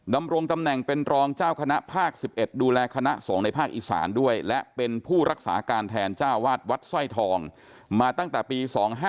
ดำรงตำแหน่งเป็นรองเจ้าคณะภาค๑๑ดูแลคณะสงฆ์ในภาคอีสานด้วยและเป็นผู้รักษาการแทนเจ้าวาดวัดสร้อยทองมาตั้งแต่ปี๒๕๖